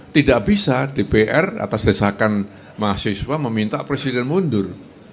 tidak bisa dpr atas desakan mahasiswa meminta presiden mundur